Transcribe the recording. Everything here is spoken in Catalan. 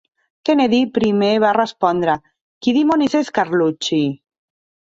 Kennedy primer va respondre "Qui dimonis és Carlucci?"